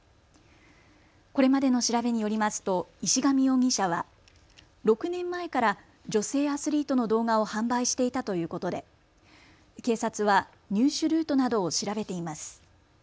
これまでの調べによりますと石上容疑者は６年前から女性アスリートの動画を販売していたということで警察は入手ルートなどを調べています。